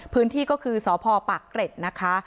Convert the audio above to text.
พื้นที่ก็คือสพปากเกร็ดนะคะ